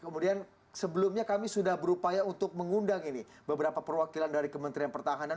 kemudian sebelumnya kami sudah berupaya untuk mengundang ini beberapa perwakilan dari kementerian pertahanan